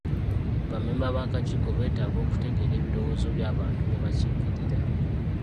Bammemba b'akakiiko beetaaga okutegeera ebirowoozo by'abantu be bakiikirira